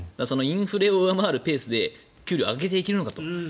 インフレを上回るペースで給料を上げていけるのかと。